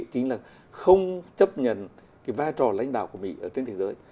chính là không chấp nhận cái vai trò lãnh đạo của mỹ ở trên thế giới